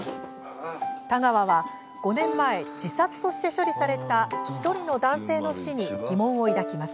田川は、５年前自殺として処理された１人の男性の死に疑問を抱きます。